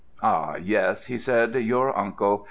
"Ah, yes!" he said; "your uncle!